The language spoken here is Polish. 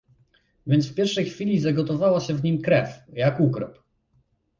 "Więc w pierwszej chwili zagotowała się w nim krew, jak ukrop."